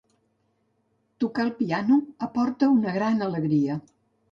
Tocar el piano aporta una gran alegria.